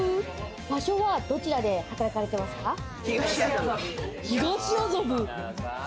場所はどちらで働いています東麻布。